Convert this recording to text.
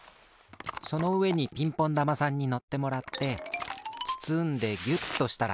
そのうえにピンポン玉さんにのってもらってつつんでギュッとしたら。